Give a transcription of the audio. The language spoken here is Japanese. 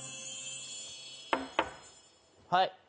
はい。